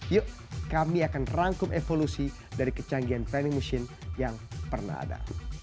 yuk kami akan rangkum evolusi dari kecanggihan planning machine yang pernah ada